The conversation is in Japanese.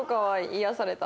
癒やされた。